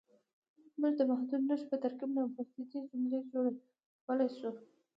موږ د محدودو نښو په ترکیب نامحدودې جملې جوړولی شو.